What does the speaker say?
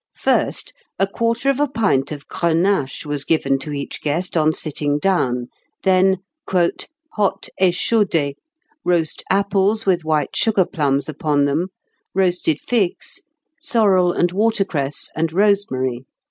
First, a quarter of a pint of Grenache was given to each guest on sitting down, then "hot eschaudés, roast apples with white sugar plums upon them, roasted figs, sorrel and watercress, and rosemary."